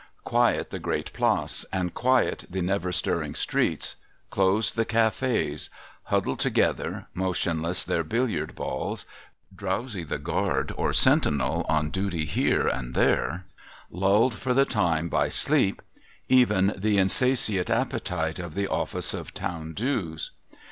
Quiet the Great Place, and quiet the never stirring streets ; closed the cafe's ; huddled together motionless their billiard balls ; drowsy the guard or sentinel on duty here and there ; lulled for the time, by sleep, even the insatiate appetite of the Office of Town dues.